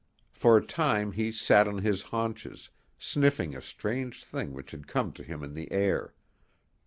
For a time he sat on his haunches, sniffing a strange thing which had come to him in the air.